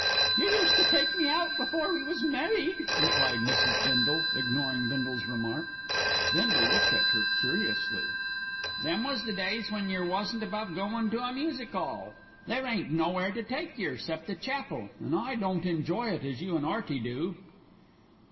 "You used to take me out before we was married," replied Mrs. Bindle, ignoring Bindle's remark. Bindle looked at her curiously. "Them was the days when yer wasn't above goin' to a music 'all. There ain't nowhere to take yer 'cept the chapel, an' I don't enjoy it as you an' 'Earty do."